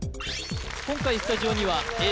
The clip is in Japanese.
今回スタジオにはＡぇ！